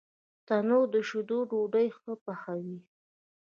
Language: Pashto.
تنور د شیدو ډوډۍ ښه پخوي